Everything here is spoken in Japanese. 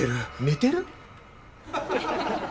寝てる？